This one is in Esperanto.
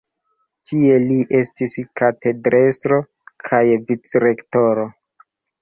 Tie li estis katedrestro kaj vicrektoro.